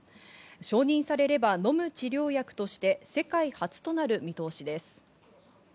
承認されれば、のむ治療薬として世界初となる見通しです。